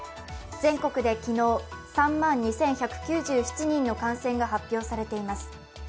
全国で昨日３万２１９７人の感染が発表されています。